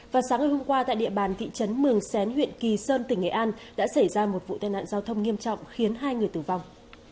vào sáng ngày hôm qua tại địa bàn thị trấn mường xén huyện kỳ sơn tỉnh nghệ an đã xảy ra một vụ tai nạn giao thông nghiêm trọng khiến hai người tử vong